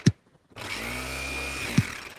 کېدی شي زما خبره ټیک نه وه